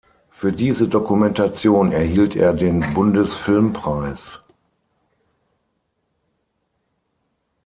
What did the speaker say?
Für diese Dokumentation erhielt er den Bundesfilmpreis.